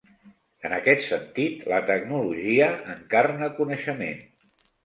En aquest sentit, la tecnologia encarna coneixement.